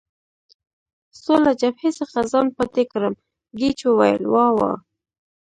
څو له جبهې څخه ځان پاتې کړم، ګېج وویل: وا وا.